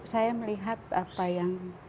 saya melihat apa yang